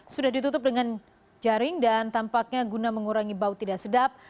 sudah ditutup dengan jaring dan tampaknya guna mengurangi bau tidak sedap